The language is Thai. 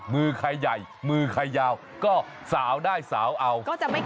มือใครใหญ่มือใครยาวก็สาวได้สาวเอา